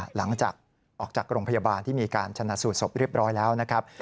หลังจากออกจากโรงพยาบาลที่มีการชนะสูตรศพเรียบร้อยแล้วนะครับ